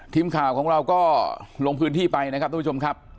ทีมข่าวของเราก็ลงพื้นที่ไปนะครับทุกผู้ชมครับ